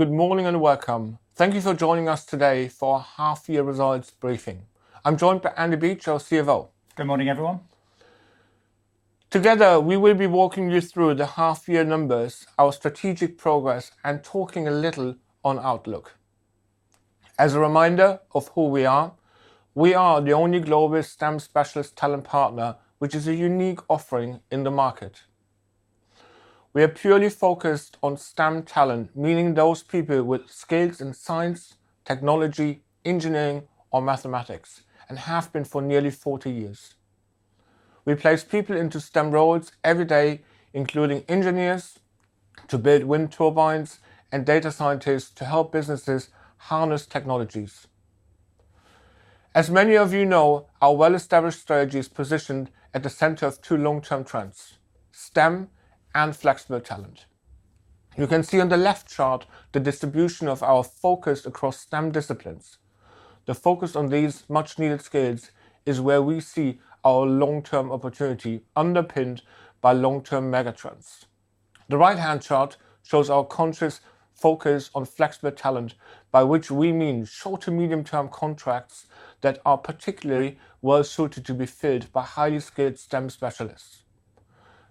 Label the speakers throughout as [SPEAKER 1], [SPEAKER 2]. [SPEAKER 1] Good morning and welcome. Thank you for joining us today for our half-year results briefing. I'm joined by Andrew Beach, our CFO.
[SPEAKER 2] Good morning, everyone.
[SPEAKER 1] Together, we will be walking you through the half-year numbers, our strategic progress, and talking a little on outlook. As a reminder of who we are, we are the only global STEM specialist talent partner, which is a unique offering in the market. We are purely focused on STEM talent, meaning those people with skills in science, technology, engineering, or mathematics, and have been for nearly 40 years. We place people into STEM roles every day, including engineers to build wind turbines and data scientists to help businesses harness technologies. As many of you know, our well-established strategy is positioned at the center of two long-term trends: STEM and flexible talent. You can see on the left chart the distribution of our focus across STEM disciplines. The focus on these much-needed skills is where we see our long-term opportunity underpinned by long-term megatrends. The right-hand chart shows our conscious focus on flexible talent, by which we mean short to medium-term contracts that are particularly well-suited to be filled by highly skilled STEM specialists.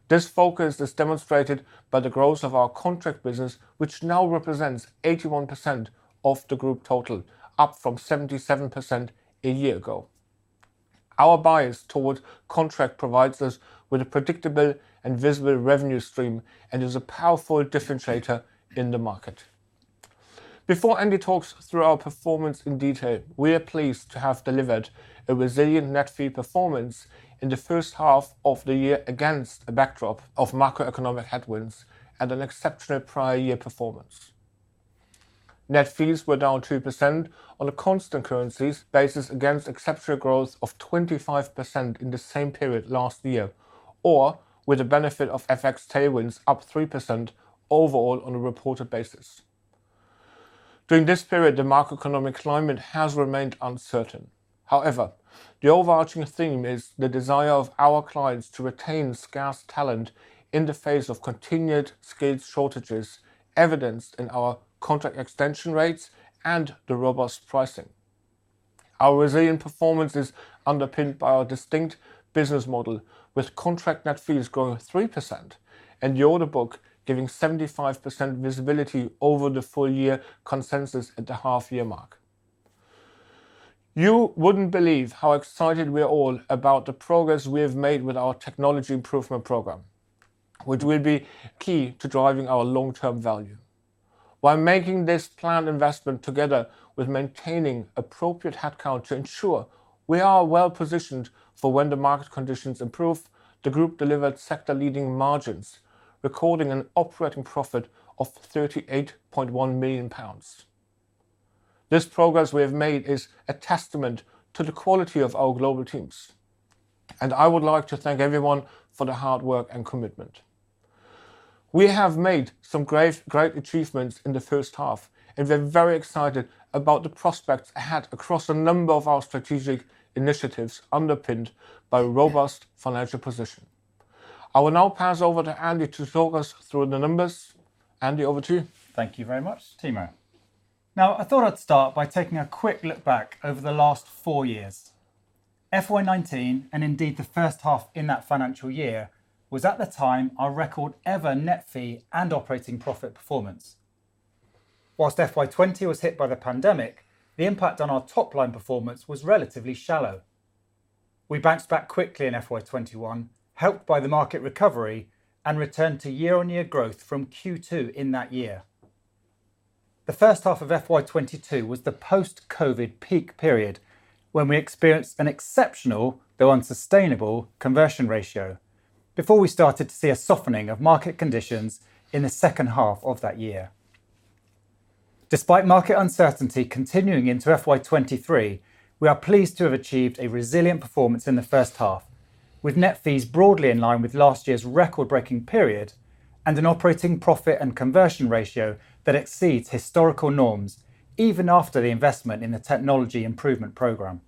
[SPEAKER 1] This focus is demonstrated by the growth of our contract business, which now represents 81% of the group total, up from 77% a year ago. Our bias towards contract provides us with a predictable and visible revenue stream and is a powerful differentiator in the market. Before Andy talks through our performance in detail, we are pleased to have delivered a resilient net fee performance in the first half of the year against a backdrop of macroeconomic headwinds and an exceptional prior year performance. Net fees were down 2% on a constant currencies basis against exceptional growth of 25% in the same period last year, or with the benefit of FX tailwinds, up 3% overall on a reported basis. During this period, the macroeconomic climate has remained uncertain. The overarching theme is the desire of our clients to retain scarce talent in the face of continued skills shortages, evidenced in our contract extension rates and the robust pricing. Our resilient performance is underpinned by our distinct business model, with contract net fees growing 3% and the order book giving 75% visibility over the full year consensus at the half-year mark. You wouldn't believe how excited we are all about the progress we have made with our Technology Improvement Programme, which will be key to driving our long-term value. While making this planned investment, together with maintaining appropriate headcount to ensure we are well-positioned for when the market conditions improve, the group delivered sector-leading margins, recording an operating profit of 38.1 million pounds. This progress we have made is a testament to the quality of our global teams, and I would like to thank everyone for the hard work and commitment. We have made some great achievements in the first half, and we're very excited about the prospects ahead across a number of our strategic initiatives, underpinned by a robust financial position. I will now pass over to Andy to talk us through the numbers. Andy, over to you.
[SPEAKER 2] Thank you very much, Timo. I thought I'd start by taking a quick look back over the last four years. FY 2019, and indeed the first half in that financial year, was, at the time, our record-ever net fees and operating profit performance. FY 2020 was hit by the pandemic, the impact on our top-line performance was relatively shallow. We bounced back quickly in FY 2021, helped by the market recovery, and returned to year-on-year growth from Q2 in that year. The first half of FY 2022 was the post-COVID peak period, when we experienced an exceptional, though unsustainable, conversion ratio before we started to see a softening of market conditions in the second half of that year. Despite market uncertainty continuing into FY 2023, we are pleased to have achieved a resilient performance in the first half, with net fees broadly in line with last year's record-breaking period and an operating profit and conversion ratio that exceeds historical norms, even after the investment in the Technology Improvement Programme.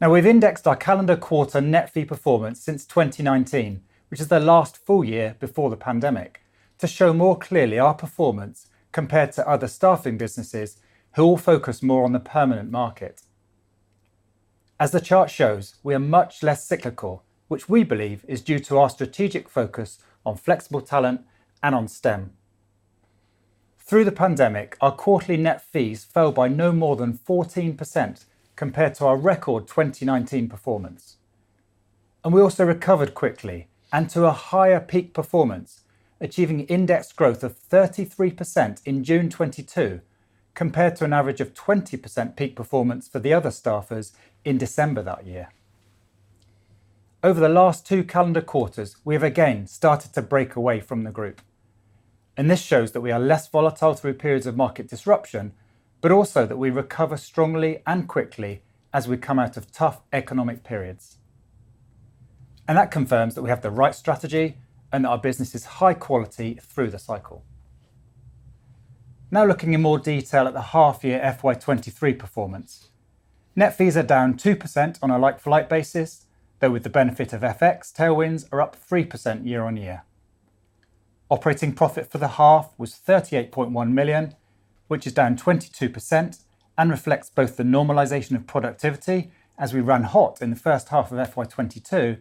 [SPEAKER 2] Now, we've indexed our calendar quarter net fee performance since 2019, which is the last full year before the pandemic, to show more clearly our performance compared to other staffing businesses who all focus more on the permanent market. As the chart shows, we are much less cyclical, which we believe is due to our strategic focus on flexible talent and on STEM. Through the pandemic, our quarterly net fees fell by no more than 14% compared to our record 2019 performance. We also recovered quickly and to a higher peak performance, achieving index growth of 33% in June 2022, compared to an average of 20% peak performance for the other staffers in December that year. Over the last two calendar quarters, we have again started to break away from the group, and this shows that we are less volatile through periods of market disruption, but also that we recover strongly and quickly as we come out of tough economic periods. That confirms that we have the right strategy and that our business is high quality through the cycle. Now, looking in more detail at the half-year FY 2023 performance. Net fees are down 2% on a like-for-like basis, though with the benefit of FX, tailwinds are up 3% year-on-year. Operating profit for the half was 38.1 million, which is down 22%, and reflects both the normalization of productivity as we ran hot in the first half of FY 2022,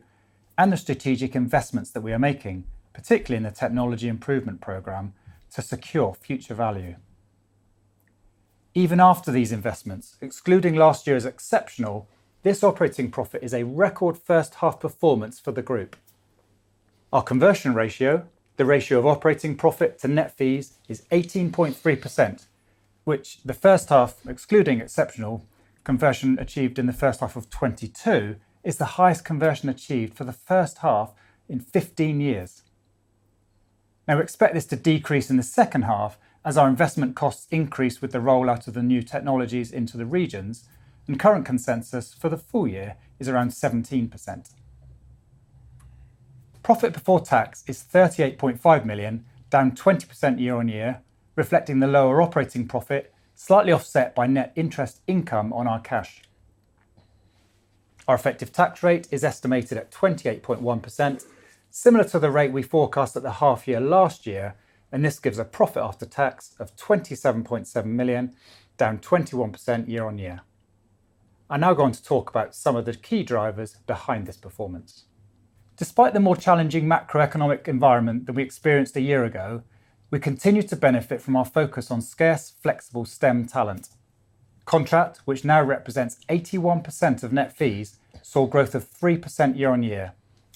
[SPEAKER 2] and the strategic investments that we are making, particularly in the Technology Improvement Programme, to secure future value. Even after these investments, excluding last year's exceptional, this operating profit is a record first-half performance for the group. Our conversion ratio, the ratio of operating profit to net fees, is 18.3%, which the first half, excluding exceptional conversion achieved in the first half of 2022, is the highest conversion achieved for the first half in 15 years. We expect this to decrease in the second half as our investment costs increase with the rollout of the new technologies into the regions, and current consensus for the full year is around 17%. Profit before tax is 38.5 million, down 20% year-on-year, reflecting the lower operating profit, slightly offset by net interest income on our cash. Our effective tax rate is estimated at 28.1%, similar to the rate we forecast at the half year last year. This gives a profit after tax of 27.7 million, down 21% year-on-year. I'm now going to talk about some of the key drivers behind this performance. Despite the more challenging macroeconomic environment than we experienced a year ago, we continued to benefit from our focus on scarce, flexible STEM talent. Contract, which now represents 81% of net fees, saw growth of 3% year-on-year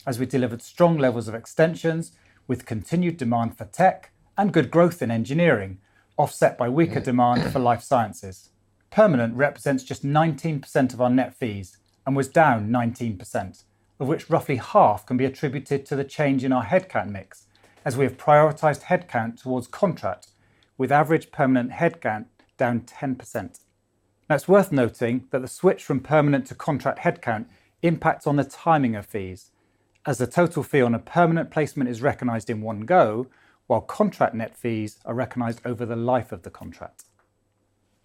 [SPEAKER 2] as we delivered strong levels of extensions, with continued demand for tech and good growth in engineering, offset by weaker demand for life sciences. Permanent represents just 19% of our net fees and was down 19%, of which roughly half can be attributed to the change in our headcount mix, as we have prioritized headcount towards contract, with average permanent headcount down 10%. Now, it's worth noting that the switch from permanent to contract headcount impacts on the timing of fees, as the total fee on a permanent placement is recognized in one go, while contract net fees are recognized over the life of the contract.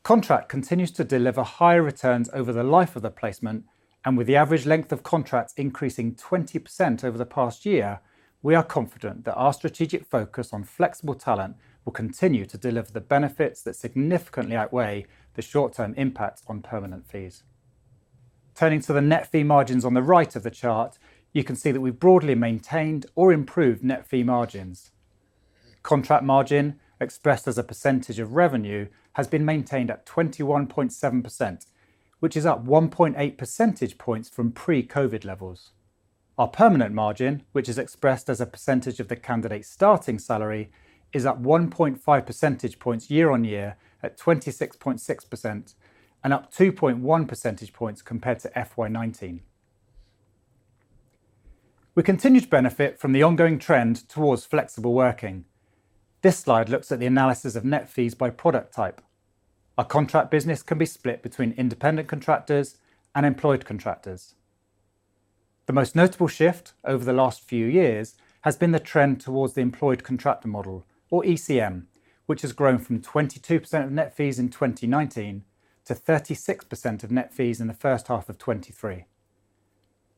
[SPEAKER 2] Contract continues to deliver higher returns over the life of the placement, and with the average length of contracts increasing 20% over the past year, we are confident that our strategic focus on flexible talent will continue to deliver the benefits that significantly outweigh the short-term impacts on permanent fees. Turning to the net fee margins on the right of the chart, you can see that we've broadly maintained or improved net fee margins. Contract margin, expressed as a percentage of revenue, has been maintained at 21.7%, which is up 1.8 percentage points from pre-COVID levels. Our permanent margin, which is expressed as a percentage of the candidate's starting salary, is up 1.5 percentage points year-on-year, at 26.6%, and up 2.1 percentage points compared to FY 2019. We continue to benefit from the ongoing trend towards flexible working. This slide looks at the analysis of net fees by product type. Our contract business can be split between independent contractors and employed contractors. The most notable shift over the last few years has been the trend towards the Employed Contractor Model, or ECM, which has grown from 22% of net fees in 2019 to 36% of net fees in the first half of 2023.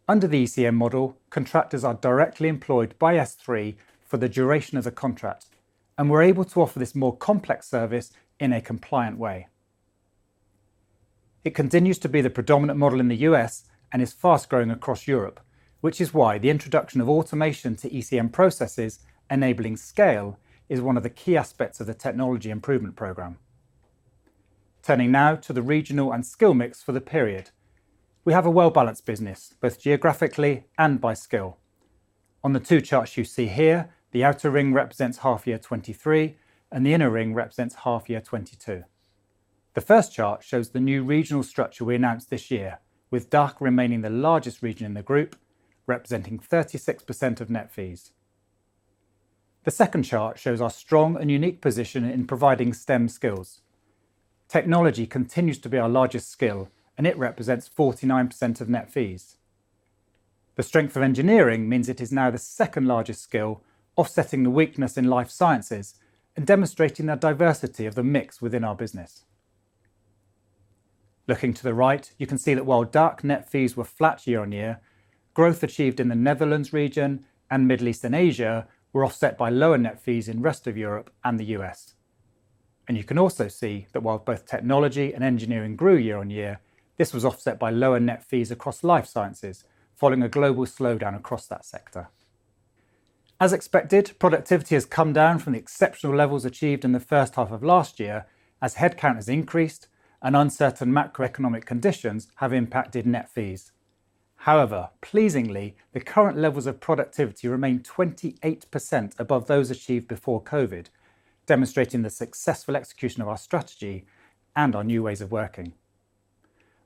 [SPEAKER 2] Under the ECM model, contractors are directly employed by SThree for the duration of the contract, and we're able to offer this more complex service in a compliant way. It continues to be the predominant model in the U.S. and is fast-growing across Europe, which is why the introduction of automation to ECM processes enabling scale is one of the key aspects of the Technology Improvement Programme. Turning now to the regional and skill mix for the period. We have a well-balanced business, both geographically and by skill. On the two charts you see here, the outer ring represents half year 2023, and the inner ring represents half year 2022. The first chart shows the new regional structure we announced this year, with DACH remaining the largest region in the group, representing 36% of net fees. The second chart shows our strong and unique position in providing STEM skills. Technology continues to be our largest skill, and it represents 49% of net fees. The strength of engineering means it is now the second-largest skill, offsetting the weakness in life sciences and demonstrating the diversity of the mix within our business. Looking to the right, you can see that while DACH net fees were flat year-on-year, growth achieved in the Netherlands region and Middle East and Asia were offset by lower net fees in rest of Europe and the U.S. You can also see that while both technology and engineering grew year-on-year, this was offset by lower net fees across life sciences, following a global slowdown across that sector. As expected, productivity has come down from the exceptional levels achieved in the first half of last year as headcount has increased and uncertain macroeconomic conditions have impacted net fees. However, pleasingly, the current levels of productivity remain 28% above those achieved before COVID, demonstrating the successful execution of our strategy and our new ways of working.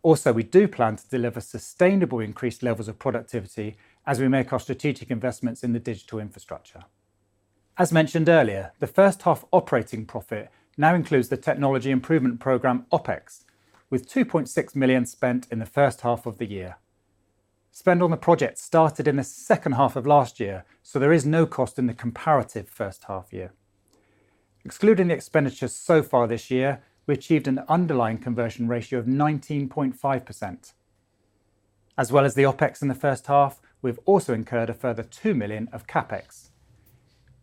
[SPEAKER 2] Also, we do plan to deliver sustainable increased levels of productivity as we make our strategic investments in the digital infrastructure. As mentioned earlier, the first half operating profit now includes the Technology Improvement Programme OpEx, with 2.6 million spent in the first half of the year. Spend on the project started in the second half of last year, so there is no cost in the comparative first half year. Excluding the expenditures so far this year, we achieved an underlying conversion ratio of 19.5%. As well as the OpEx in the first half, we've also incurred a further 2 million of CapEx.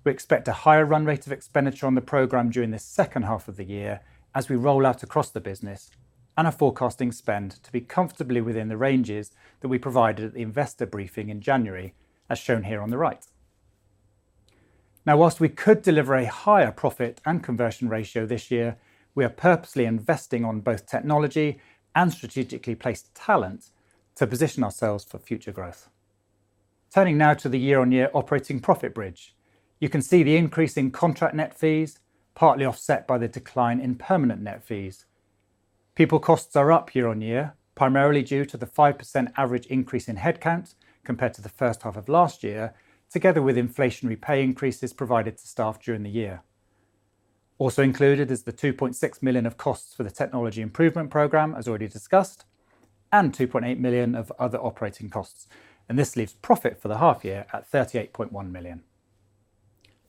[SPEAKER 2] We expect a higher run rate of expenditure on the program during the second half of the year as we roll out across the business, and are forecasting spend to be comfortably within the ranges that we provided at the investor briefing in January, as shown here on the right. Whilst we could deliver a higher profit and conversion ratio this year, we are purposely investing on both technology and strategically placed talent to position ourselves for future growth. Turning now to the year-on-year operating profit bridge. You can see the increase in contract net fees, partly offset by the decline in permanent net fees. People costs are up year-on-year, primarily due to the 5% average increase in headcount compared to the first half of last year, together with inflationary pay increases provided to staff during the year. Also included is the 2.6 million of costs for the Technology Improvement Programme, as already discussed, and 2.8 million of other operating costs, and this leaves profit for the half year at 38.1 million.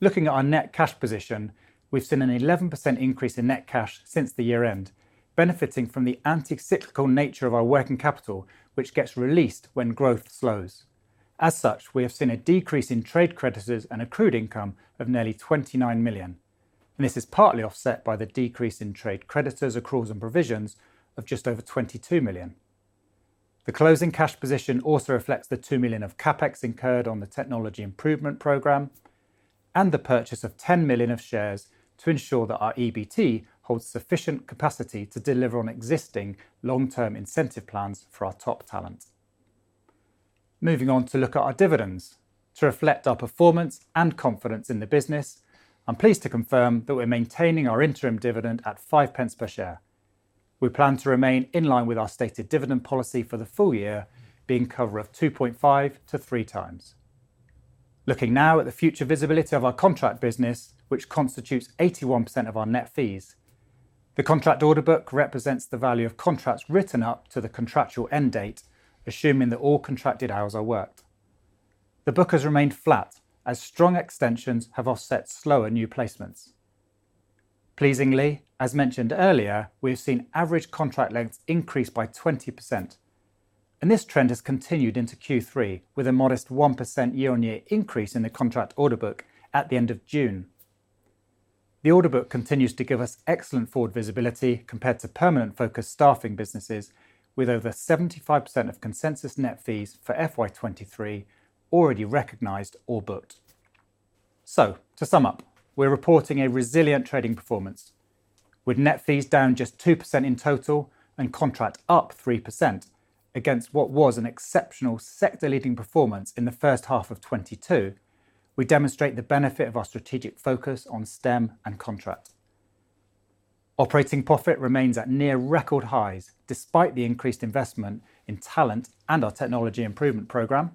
[SPEAKER 2] Looking at our net cash position, we've seen an 11% increase in net cash since the year end, benefiting from the anti-cyclical nature of our working capital, which gets released when growth slows. We have seen a decrease in trade creditors and accrued income of nearly 29 million. This is partly offset by the decrease in trade creditors, accruals, and provisions of just over 22 million. The closing cash position also reflects the 2 million of CapEx incurred on the Technology Improvement Programme. The purchase of 10 million of shares to ensure that our EBT holds sufficient capacity to deliver on existing long-term incentive plans for our top talent. Moving on to look at our dividends. To reflect our performance and confidence in the business, I'm pleased to confirm that we're maintaining our interim dividend at 5 pence per share. We plan to remain in line with our stated dividend policy for the full year, being cover of 2.5-3x. Looking now at the future visibility of our contract business, which constitutes 81% of our net fees. The contract order book represents the value of contracts written up to the contractual end date, assuming that all contracted hours are worked. The book has remained flat as strong extensions have offset slower new placements. Pleasingly, as mentioned earlier, we have seen average contract lengths increase by 20%, and this trend has continued into Q3, with a modest 1% year-on-year increase in the contract order book at the end of June. The order book continues to give us excellent forward visibility compared to permanent-focused staffing businesses, with over 75% of consensus net fees for FY 2023 already recognized or booked. To sum up, we're reporting a resilient trading performance. With net fees down just 2% in total and contract up 3% against what was an exceptional sector-leading performance in the first half of 2022, we demonstrate the benefit of our strategic focus on STEM and contract. Operating profit remains at near record highs, despite the increased investment in talent and our Technology Improvement Programme.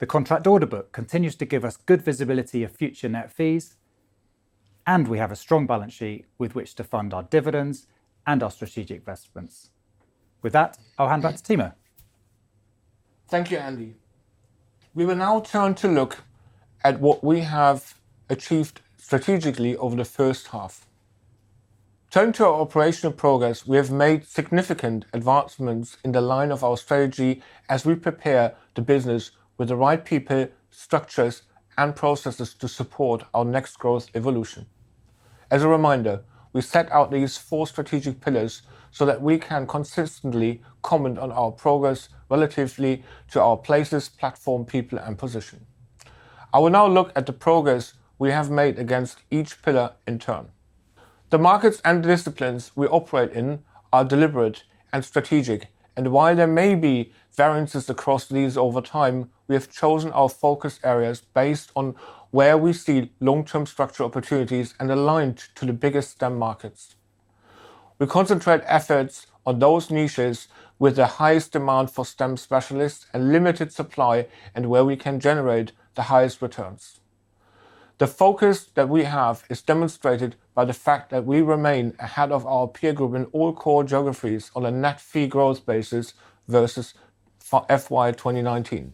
[SPEAKER 2] The contract order book continues to give us good visibility of future net fees. We have a strong balance sheet with which to fund our dividends and our strategic investments. With that, I'll hand back to Timo.
[SPEAKER 1] Thank you, Andy. We will now turn to look at what we have achieved strategically over the first half. Turning to our operational progress, we have made significant advancements in the line of our strategy as we prepare the business with the right people, structures, and processes to support our next growth evolution. As a reminder, we set out these four strategic pillars so that we can consistently comment on our progress relatively to our places, platform, people, and position. I will now look at the progress we have made against each pillar in turn. The markets and disciplines we operate in are deliberate and strategic, and while there may be variances across these over time, we have chosen our focus areas based on where we see long-term structural opportunities and aligned to the biggest STEM markets. We concentrate efforts on those niches with the highest demand for STEM specialists and limited supply, where we can generate the highest returns. The focus that we have is demonstrated by the fact that we remain ahead of our peer group in all core geographies on a net fee growth basis versus for FY 2019.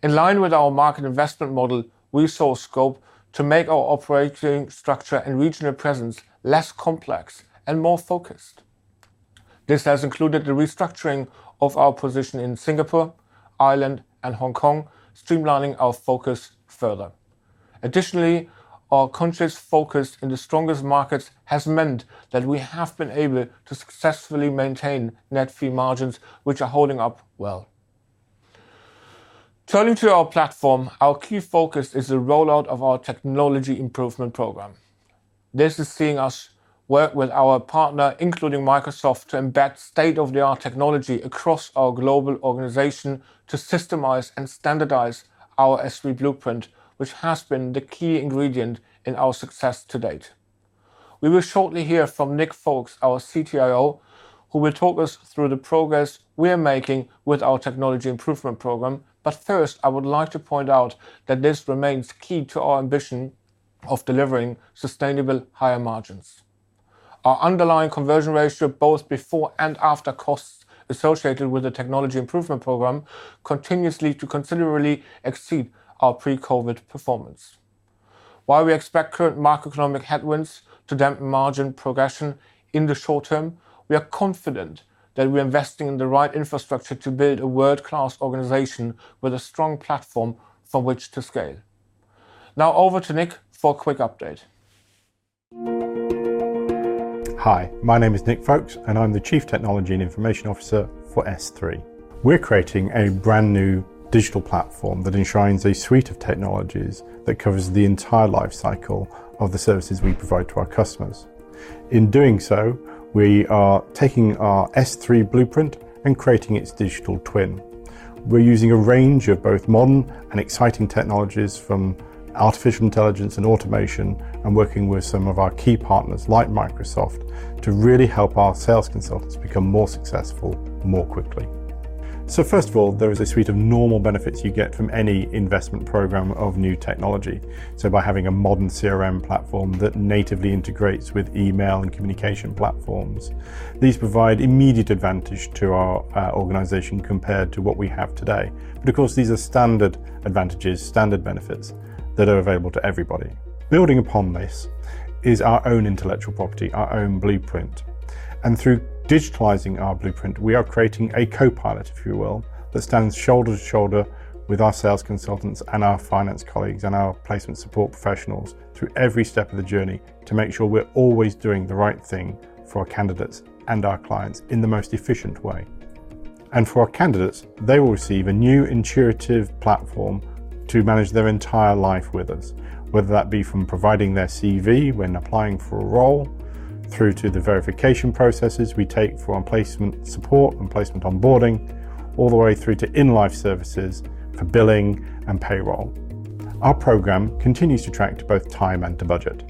[SPEAKER 1] In line with our market investment model, we saw scope to make our operating structure and regional presence less complex and more focused. This has included the restructuring of our position in Singapore, Ireland, and Hong Kong, streamlining our focus further. Our conscious focus in the strongest markets has meant that we have been able to successfully maintain net fee margins, which are holding up well. Turning to our platform, our key focus is the rollout of our Technology Improvement Programme. This is seeing us work with our partner, including Microsoft, to embed state-of-the-art technology across our global organization to systemize and standardize our SThree blueprint, which has been the key ingredient in our success to date. We will shortly hear from Nick Folkes, our CTIO, who will talk us through the progress we are making with our Technology Improvement Programme. First, I would like to point out that this remains key to our ambition of delivering sustainable higher margins. Our underlying conversion ratio, both before and after costs associated with the Technology Improvement Programme, continuously to considerably exceed our pre-COVID performance. While we expect current macroeconomic headwinds to dampen margin progression in the short term, we are confident that we're investing in the right infrastructure to build a world-class organization with a strong platform from which to scale. Over to Nick for a quick update.
[SPEAKER 3] Hi, my name is Nick Folkes, I'm the Chief Technology and Information Officer for SThree. We're creating a brand-new digital platform that enshrines a suite of technologies that covers the entire life cycle of the services we provide to our customers. In doing so, we are taking our SThree blueprint and creating its digital twin. We're using a range of both modern and exciting technologies, from artificial intelligence and automation, working with some of our key partners, like Microsoft, to really help our sales consultants become more successful more quickly. First of all, there is a suite of normal benefits you get from any investment program of new technology. By having a modern CRM platform that natively integrates with email and communication platforms, these provide immediate advantage to our organization compared to what we have today. Of course, these are standard advantages, standard benefits that are available to everybody. Building upon this is our own intellectual property, our own blueprint, and through digitalizing our blueprint, we are creating a co-pilot, if you will, that stands shoulder to shoulder with our sales consultants and our finance colleagues and our placement support professionals through every step of the journey to make sure we're always doing the right thing for our candidates and our clients in the most efficient way. For our candidates, they will receive a new, intuitive platform to manage their entire life with us, whether that be from providing their CV when applying for a role, through to the verification processes we take for our placement support and placement onboarding, all the way through to in-life services for billing and payroll. Our program continues to track to both time and to budget.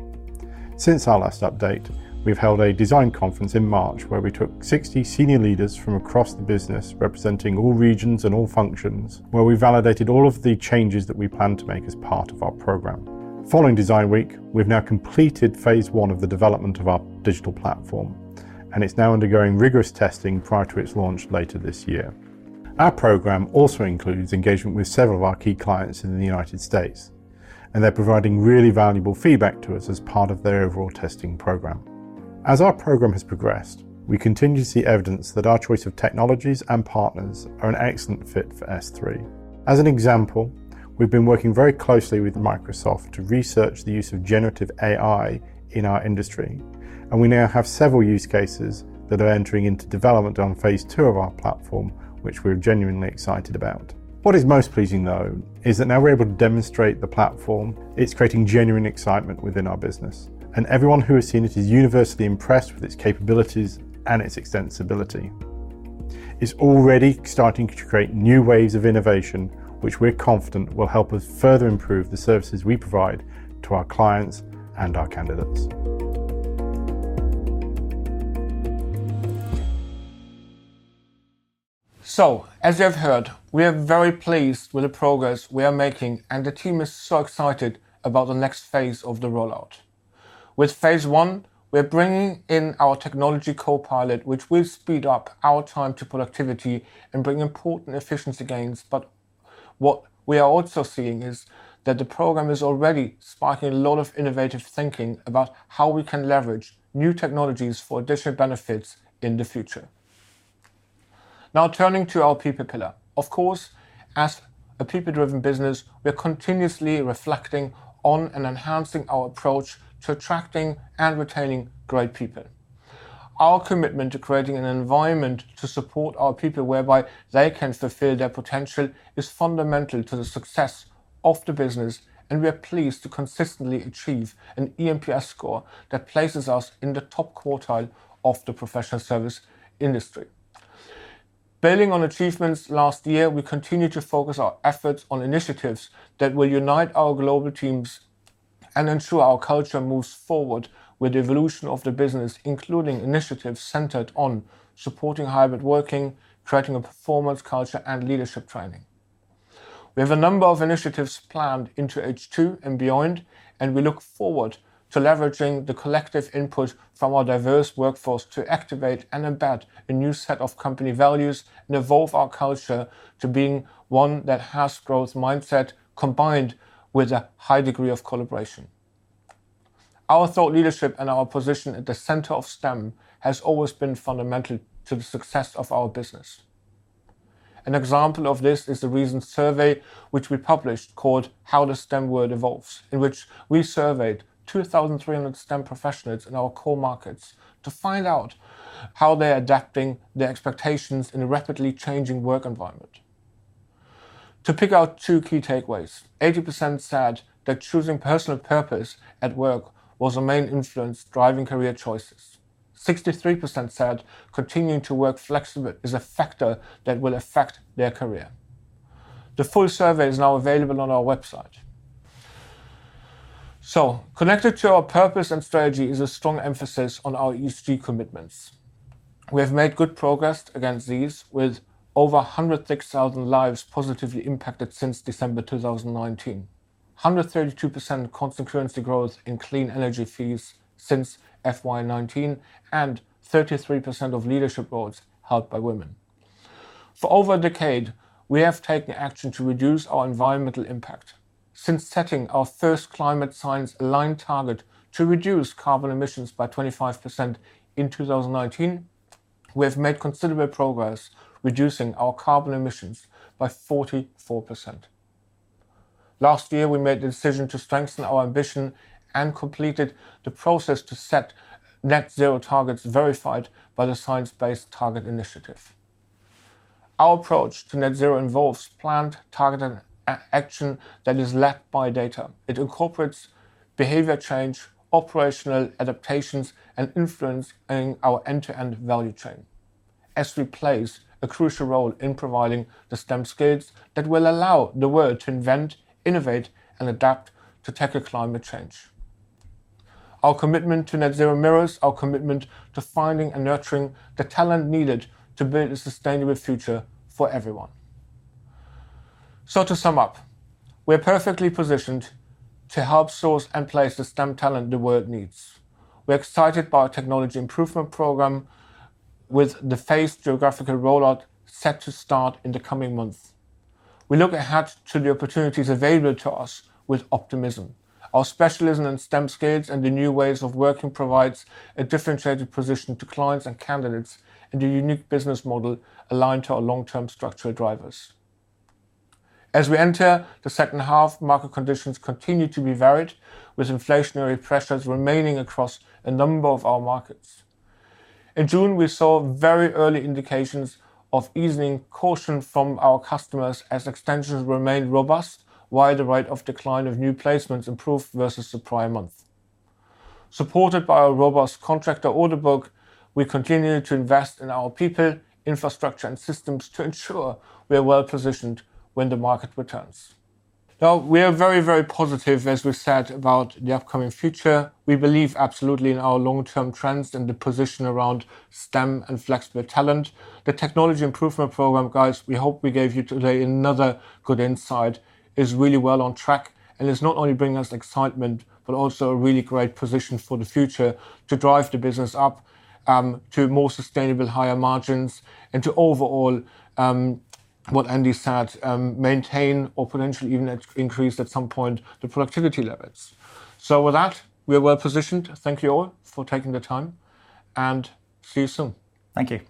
[SPEAKER 3] Since our last update, we've held a design conference in March, where we took 60 senior leaders from across the business, representing all regions and all functions, where we validated all of the changes that we plan to make as part of our program. Following design week, we've now completed phase one of the development of our digital platform, and it's now undergoing rigorous testing prior to its launch later this year. Our program also includes engagement with several of our key clients in the United States, and they're providing really valuable feedback to us as part of their overall testing program. As our program has progressed, we continue to see evidence that our choice of technologies and partners are an excellent fit for SThree. As an example, we've been working very closely with Microsoft to research the use of generative AI in our industry, and we now have several use cases that are entering into development on phase two of our platform, which we're genuinely excited about. What is most pleasing, though, is that now we're able to demonstrate the platform. It's creating genuine excitement within our business, and everyone who has seen it is universally impressed with its capabilities and its extensibility. It's already starting to create new waves of innovation, which we're confident will help us further improve the services we provide to our clients and our candidates.
[SPEAKER 1] As you have heard, we are very pleased with the progress we are making, and the team is so excited about the next phase of the rollout. With phase one, we're bringing in our technology co-pilot, which will speed up our time to productivity and bring important efficiency gains. What we are also seeing is that the program is already sparking a lot of innovative thinking about how we can leverage new technologies for additional benefits in the future. Turning to our people pillar. Of course, as a people-driven business, we are continuously reflecting on and enhancing our approach to attracting and retaining great people. Our commitment to creating an environment to support our people, whereby they can fulfill their potential, is fundamental to the success of the business. We are pleased to consistently achieve an eNPS score that places us in the top quartile of the professional service industry. Building on achievements last year, we continue to focus our efforts on initiatives that will unite our global teams and ensure our culture moves forward with the evolution of the business, including initiatives centered on supporting hybrid working, creating a performance culture, and leadership training. We have a number of initiatives planned into H2 and beyond. We look forward to leveraging the collective input from our diverse workforce to activate and embed a new set of company values and evolve our culture to being one that has growth mindset, combined with a high degree of collaboration. Our thought leadership and our position at the center of STEM has always been fundamental to the success of our business. An example of this is the recent survey, which we published, called How the STEM World Evolves, in which we surveyed 2,300 STEM professionals in our core markets to find out how they're adapting their expectations in a rapidly changing work environment. To pick out two key takeaways, 80% said that choosing personal purpose at work was the main influence driving career choices. 63% said continuing to work flexible is a factor that will affect their career. The full survey is now available on our website. Connected to our purpose and strategy is a strong emphasis on our ESG commitments. We have made good progress against these, with over 106,000 lives positively impacted since December 2019. 132% constant currency growth in clean energy fees since FY 2019, and 33% of leadership boards held by women. For over a decade, we have taken action to reduce our environmental impact. Since setting our first climate science aligned target to reduce carbon emissions by 25% in 2019, we have made considerable progress, reducing our carbon emissions by 44%. Last year, we made the decision to strengthen our ambition and completed the process to set net zero targets verified by the Science Based Targets initiative. Our approach to net zero involves planned, targeted action that is led by data. It incorporates behavior change, operational adaptations, and influence in our end-to-end value chain, as we play a crucial role in providing the STEM skills that will allow the world to invent, innovate, and adapt to tackle climate change. Our commitment to net zero mirrors our commitment to finding and nurturing the talent needed to build a sustainable future for everyone. To sum up, we're perfectly positioned to help source and place the STEM talent the world needs. We're excited by our Technology Improvement Programme, with the phased geographical rollout set to start in the coming months. We look ahead to the opportunities available to us with optimism. Our specialism in STEM skills and the new ways of working provides a differentiated position to clients and candidates, and a unique business model aligned to our long-term structural drivers. As we enter the second half, market conditions continue to be varied, with inflationary pressures remaining across a number of our markets. In June, we saw very early indications of easing caution from our customers as extensions remained robust, while the rate of decline of new placements improved versus the prior month. Supported by a robust contractor order book, we continue to invest in our people, infrastructure, and systems to ensure we are well-positioned when the market returns. We are very, very positive, as we've said, about the upcoming future. We believe absolutely in our long-term trends and the position around STEM and flexible talent. The Technology Improvement Programme, guys, we hope we gave you today another good insight, is really well on track, and it's not only bringing us excitement, but also a really great position for the future to drive the business up to more sustainable, higher margins and to overall, what Andy said, maintain or potentially even increase at some point, the productivity levels. With that, we are well positioned. Thank you all for taking the time, and see you soon. Thank you.